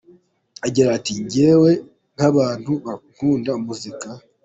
Agira ati “…Njyewe nk’abantu bakunda umuziki